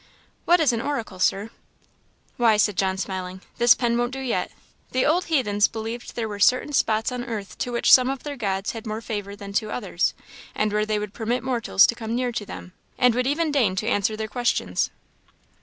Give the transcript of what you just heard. "What is an oracle, Sir?" "Why," said John, smiling "this pen won't do yet the old heathens believed there were certain spots on earth to which some of their gods had more favour than to others, and where they would permit mortals to come nearer to them, and would even deign to answer their questions."